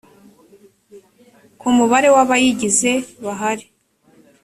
ku mubare w abayigize bahari